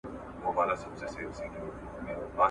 په لوی ښار کي یوه لویه وداني وه ..